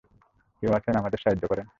কেউ আছেন আমাদের সাহায্য করেন!